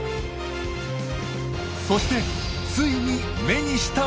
そしてついに目にしたものとは？